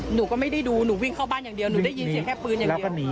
หนูก็ไม่ได้ดูหนูวิ่งเข้าบ้านอย่างเดียวหนูได้ยินเสียงแค่ปืนอย่างเดียว